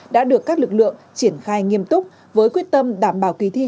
đã được các lực lượng triển khai nghiêm túc với quyết tâm đảm bảo kỳ thi